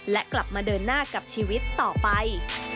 และกลับมาเดินหน้ากับชีวิตต่อไป